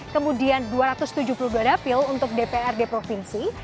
kemudian dua ratus tujuh puluh dua dapil untuk dprd provinsi